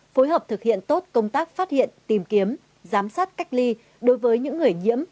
phối hợp thực hiện tốt công tác phát hiện tìm kiếm giám sát cách ly đối với những người nhiễm